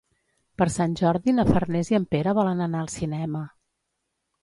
Per Sant Jordi na Farners i en Pere volen anar al cinema.